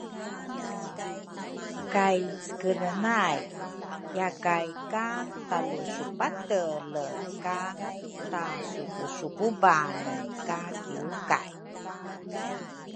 Kay cekele nay yakay ka talusupatele ka tasukusukubane ka kiwkay